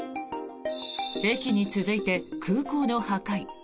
駅に続いて空港の破壊。